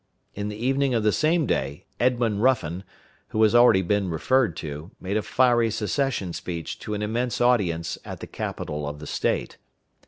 In the evening of the same day, Edmund Ruffin, who has already been referred to, made a fiery secession speech to an immense audience at the capitol of the State.